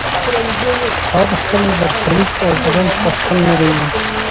هغه د خپل برخلیک او بدن څښتن نه وي.